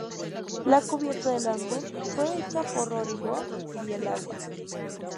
La cubierta del álbum fue hecha por Rory Wolf-Bielawa.